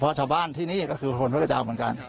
เพราะชาวบ้านที่นี่ก็คือคนพุทธเจ้าเหมือนกัน